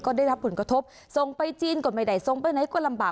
ก็ได้รับผลกระทบส่งไปจีนก็ไม่ได้ส่งไปไหนก็ลำบาก